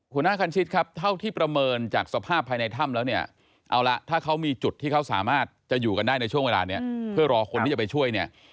คณะคันชิตครับเท่าที่ประเมินจากสภาพภายในถ้ำแล้วเนี่ยเอาละถ้าเขามีจุดที่เขาสามารถจะอยู่กันได้ในช่วงเวลานี้เพื่อรอคนที่จะไปช่วยเนี่ย